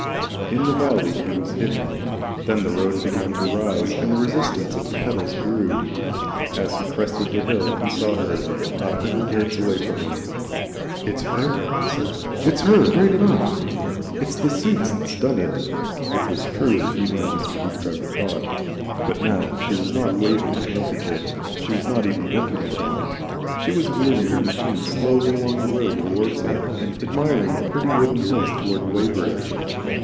In the valley he was hidden. Then the road began to rise, and the resistance of the pedals grew. As he crested the hill he saw her, not a hundred yards away from him. "It's her!" he said. "It's her right enough. It's the suit's done it," which was truer even than Mr. Hoopdriver thought. But now she was not waving her handkerchief, she was not even looking at him. She was wheeling her machine slowly along the road towards him, and admiring the pretty wooded hills towards Weybridge.